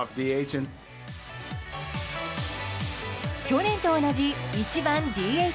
去年と同じ１番ＤＨ。